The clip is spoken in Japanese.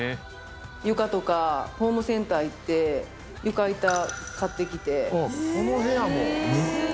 床とかホームセンター行って床板買ってきて。